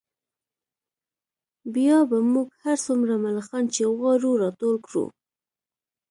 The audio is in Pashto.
بیا به موږ هر څومره ملخان چې وغواړو راټول کړو